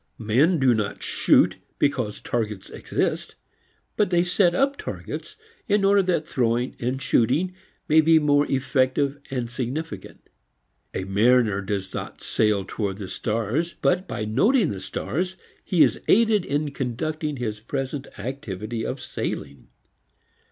Men do not shoot because targets exist, but they set up targets in order that throwing and shooting may be more effective and significant. A mariner does not sail towards the stars, but by noting the stars he is aided in conducting his present activity of sailing.